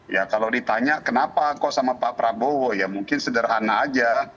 ya kalau ditanya kenapa kok sama pak prabowo ya mungkin sederhana aja